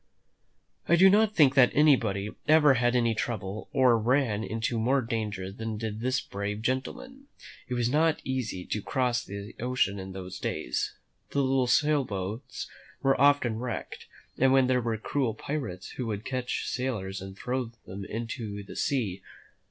I do not think that anybody ever had more trouble or ran into more danger than did this brave gentleman. It was not easy to cross the ocean in those days. The little sail boats were often wrecked, and then there were cruel pirates who would catch sailors and throw them into the sea.